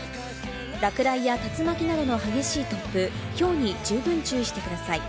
落雷や竜巻などの激しい突風、ひょうに十分注意してください。